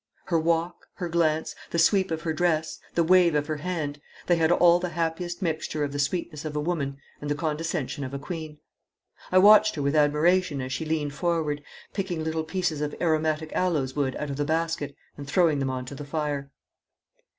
Her walk, her glance, the sweep of her dress, the wave of her hand they had all the happiest mixture of the sweetness of a woman and the condescension of a queen. I watched her with admiration as she leaned forward, picking little pieces of aromatic aloes wood out of the basket and throwing them on to the fire.